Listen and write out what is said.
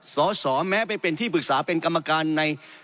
สอสอแม้ไปเป็นที่ปรึกษาเป็นกรรมการใน